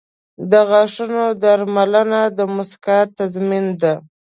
• د غاښونو درملنه د مسکا تضمین ده.